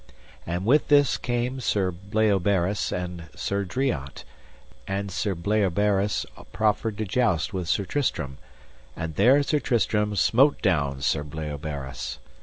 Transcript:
And with this came Sir Bleoberis and Sir Driant, and Sir Bleoberis proffered to joust with Sir Tristram, and there Sir Tristram smote down Sir Bleoberis.